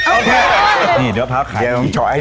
แข็งแรงกว่าผาวเนื้อนะครับ